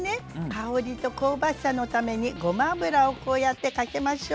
香りと香ばしさのためにごま油をこうやってかけましょう。